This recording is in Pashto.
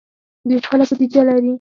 دوی خپله بودیجه لري.